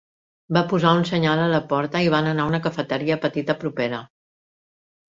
Va posar un senyal a la porta i van anar a una cafeteria petita propera.